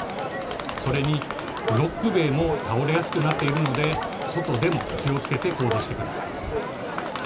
それにブロック塀も倒れやすくなっているので外でも気をつけて行動してください。